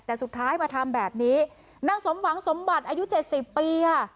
แต่สุดท้ายมาทำแบบนี้นางสมหวังสมบัติอายุเจ็ดสิบปีค่ะ